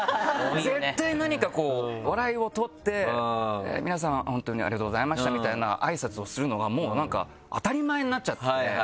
絶対何かこう笑いを取って「皆さん本当にありがとうございました」みたいな挨拶をするのがもう当たり前になっちゃってて。